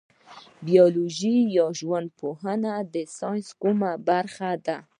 بیولوژي یا ژوند پوهنه د ساینس کومه برخه ده